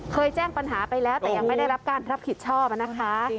แจ้งปัญหาไปแล้วแต่ยังไม่ได้รับการรับผิดชอบนะคะ